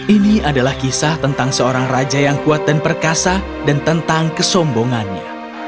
ini adalah kisah tentang seorang raja yang kuat dan perkasa dan tentang kesombongannya